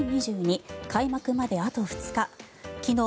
開幕まであと２日。